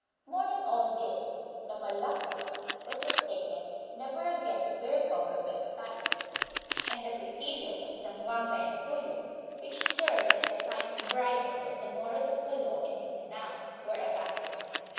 More than all this, the Moluccas were forsaken, never again to be recovered by Spaniards; and the presidios of Zamboanga and Cuyo, which served as a kind of bridle on the Moros of Jolo and Mindanao, were abandoned.